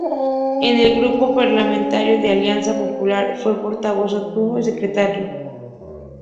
En el grupo parlamentario de Alianza Popular fue portavoz adjunto y secretario.